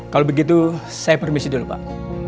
kalau begitu saya permisi dulu pak